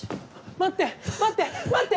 待って待って待って！